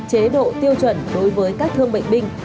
chế độ tiêu chuẩn đối với các thương bệnh binh